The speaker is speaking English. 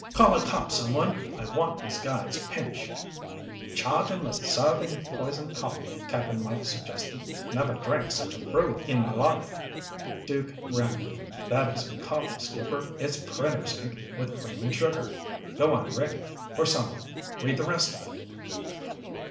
Call a cop someone, I want these guys pinched." "Charge 'em with serving poison coffee," Cap'n Mike suggested. "Never drank such a brew in my life." Duke grinned. "That isn't coffee, skipper. It's printer's ink with cream and sugar. Go on, Rick, or someone. Read the rest of it."